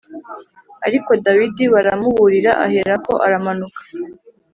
ariko Dawidi baramuburira aherako aramanuka